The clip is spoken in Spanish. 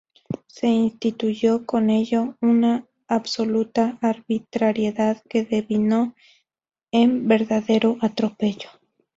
Se instituyó con ello una absoluta arbitrariedad que devino en verdadero atropello.